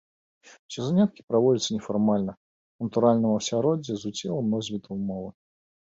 Усе заняткі праводзяцца нефармальна, у натуральным асяроддзі з удзелам носьбітаў мовы.